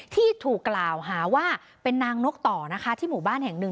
ที่ถูกกล่าวหาว่าเป็นนางนกต่อนะคะที่หมู่บ้านแห่งหนึ่ง